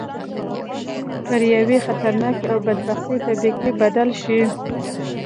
پر یوې خطرناکې او بدبختې طبقې بدل شي.